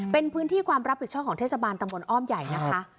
เป็นพื้นที่ความรับผิดชอบของเทศบาลตำบลอ้อมใหญ่นะคะ